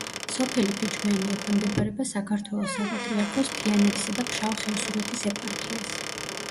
სოფელი ფიჭვიანი ექვემდებარება საქართველოს საპატრიარქოს თიანეთისა და ფშავ-ხევსურეთის ეპარქიას.